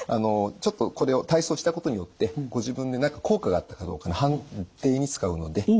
ちょっとこれを体操したことによってご自分で何か効果があったかどうかの判定に使うので。